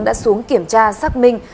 đã xuống kiểm tra xác minh